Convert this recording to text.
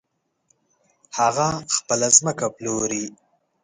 هغه خپله ځمکه پلوري .